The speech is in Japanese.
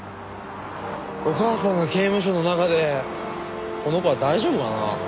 お母さんが刑務所の中でこの子は大丈夫かなあ？